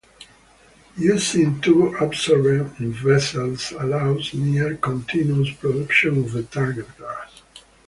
Using two adsorbent vessels allows near-continuous production of the target gas.